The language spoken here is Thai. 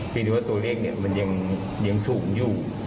คิดว่าตัวเลขเนี่ยมันยังสูงอยู่